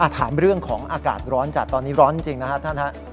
ถามเรื่องของอากาศร้อนจัดตอนนี้ร้อนจริงนะครับท่านฮะ